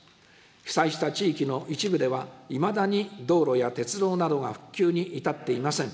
被災した地域の一部では、いまだに道路や鉄道などが復旧に至っていません。